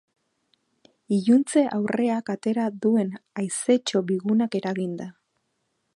Iluntze aurreak atera duen haizetxo bigunak eraginda.